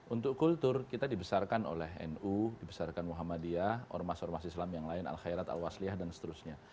untuk kultur kita dibesarkan oleh nu dibesarkan muhammadiyah ormas ormas islam yang lain al khairat al wasliyah dan seterusnya